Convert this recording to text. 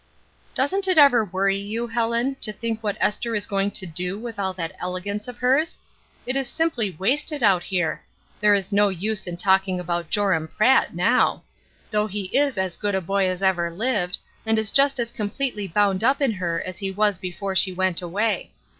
"Doesn't it ever worry you, Helen, to think what Esther is going to do with all that elegance of hers? It is simply wasted out here; there is no use in talking about Joram Pratt now I though he is as good a boy as ever lived, and is just as completely bound up in her as he was before she went away.